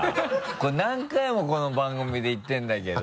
これ何回もこの番組で言ってるんだけど。